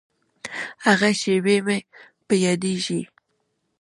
هغه شېبې مې په یادیږي.